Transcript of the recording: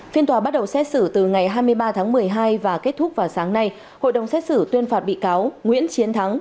phiên tòa bắt đầu xét xử từ ngày hai mươi ba tháng một mươi hai và kết thúc vào sáng nay hội đồng xét xử tuyên phạt bị cáo nguyễn chiến thắng